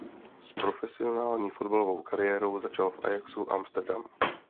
S profesionální fotbalovou kariérou začal v Ajaxu Amsterdam.